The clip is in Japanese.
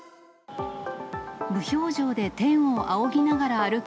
無表情で天を仰ぎながら歩く